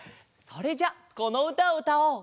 それじゃこのうたをうたおう！